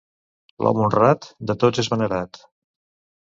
L'home honrat de tots és venerat.